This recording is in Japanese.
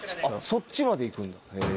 そっちまで行くへぇ。